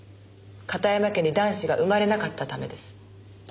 片山家に男子が生まれなかったためです。